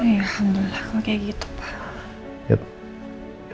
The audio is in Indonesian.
alhamdulillah kok kayak gitu pak